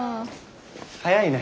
早いね。